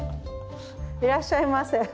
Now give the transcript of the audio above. いらっしゃいませ。